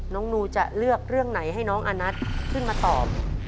นูจะเลือกเรื่องไหนให้น้องอานัทขึ้นมาตอบ